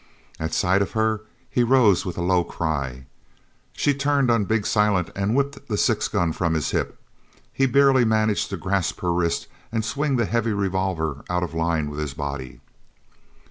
At sight of her he rose with a low cry. She turned on big Silent and whipped the six gun from his hip. He barely managed to grasp her wrist and swing the heavy revolver out of line with his body.